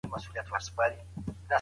ما ستا د سوداګرۍ لارې تعقیب کولې.